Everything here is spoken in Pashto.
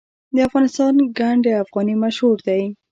د افغانستان ګنډ افغاني مشهور دی